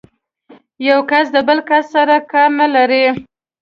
یو کس د بل کس سره کار نه لري.